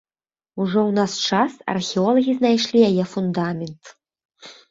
Ужо ў наш час археолагі знайшлі яе фундамент.